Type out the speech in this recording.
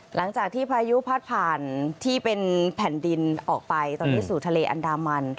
หลังจากที่พายุพัดผ่านที่เป็นแผ่นดินออกไปตอนนี้สู่ทะเลอันดามัน